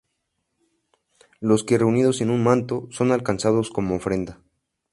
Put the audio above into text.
Los que reunidos en un manto, son alcanzados como ofrenda.